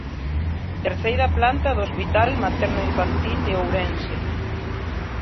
Terceira planta do hospital materno Infantil de Ourense.